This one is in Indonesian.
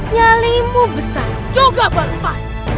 nyalingmu besar juga berupa